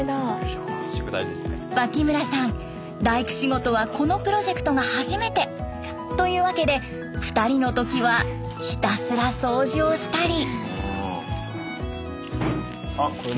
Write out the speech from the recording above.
脇村さん大工仕事はこのプロジェクトが初めて！というわけで２人の時はひたすら掃除をしたり。